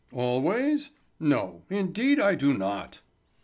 "Always? No, indeed I do not!"